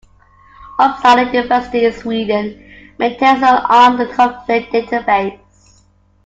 Uppsala University in Sweden maintains the Armed Conflict Database.